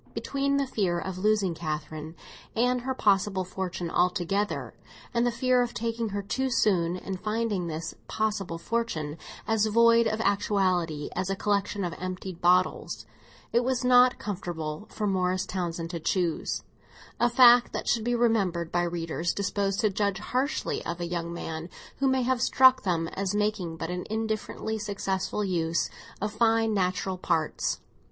Between the fear of losing Catherine and her possible fortune altogether, and the fear of taking her too soon and finding this possible fortune as void of actuality as a collection of emptied bottles, it was not comfortable for Morris Townsend to choose; a fact that should be remembered by readers disposed to judge harshly of a young man who may have struck them as making but an indifferently successful use of fine natural parts.